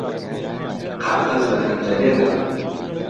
قاقەز له پهنجهرێدا